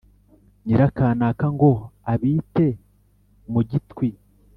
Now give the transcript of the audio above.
Nyirakanaka ngo abite mu gitwi